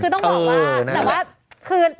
คือต้องบอกว่า